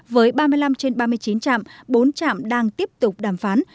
với ba mươi năm trên ba mươi chín trạm bốn trạm đang tiếp tục đàm phán